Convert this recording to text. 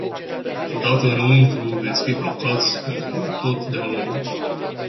Odată înăuntru, veți fi blocați pentru totdeauna.